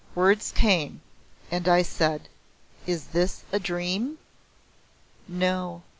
Words came, and I said: "Is this a dream?" "No.